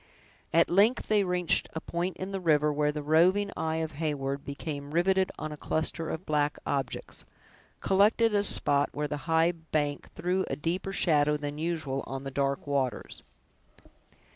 At length they reached a point in the river where the roving eye of Heyward became riveted on a cluster of black objects, collected at a spot where the high bank threw a deeper shadow than usual on the dark waters.